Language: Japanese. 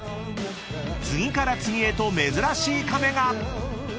［次から次へと珍しいカメが！］